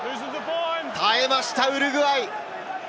耐えました、ウルグアイ。